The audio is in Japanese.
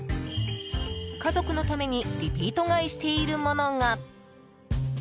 家族のためにリピート買いしているものが。